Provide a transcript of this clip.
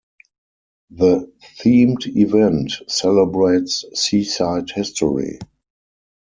The themed event celebrates Seaside history.